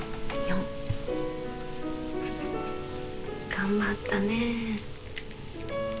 頑張ったね。